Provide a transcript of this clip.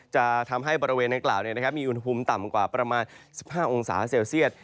จะทำให้บริเวณดังกล่าวมีอุณหภูมิต่ำกว่าประมาณ๑๕องศาเซลเซียต